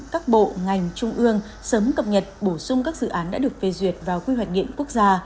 các bộ ngành trung ương sớm cập nhật bổ sung các dự án đã được phê duyệt vào quy hoạch điện quốc gia